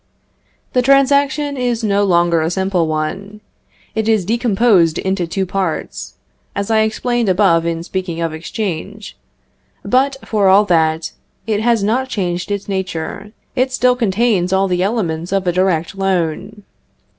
The transaction is no longer a simple one; it is decomposed into two parts, as I explained above in speaking of exchange. But, for all that, it has not changed its nature; it still contains all the elements of a direct loan.